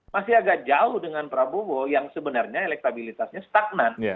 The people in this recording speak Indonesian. masih agak jauh dengan prabowo yang sebenarnya elektabilitasnya stagnan